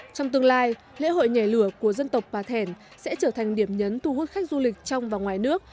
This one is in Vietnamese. trong tương lai lễ hội nhảy lửa của dân tộc bà thẻn sẽ trở thành điểm nhấn thu hút khách du lịch trong và ngoài nước